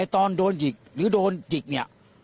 ตอนโดนหยิกหรือโดนจิกเนี่ย